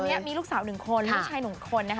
ตอนนี้มีลูกสาวหนึ่งคนลูกชายหนึ่งคนนะคะ